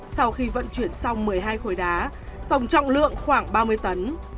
sau khi vận chuyển xong một mươi hai khối đá tổng trọng lượng khoảng ba mươi tấn